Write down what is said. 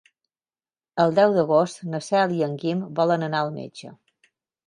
El deu d'agost na Cel i en Guim volen anar al metge.